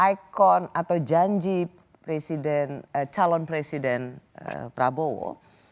ikon atau janji presiden calon presiden prabowo